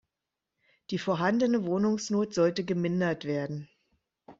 Die vorhandene Wohnungsnot sollte gemindert werden.